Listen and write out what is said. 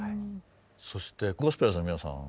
そしてゴスペラーズの皆さん